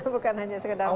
bukan hanya sekedar hobi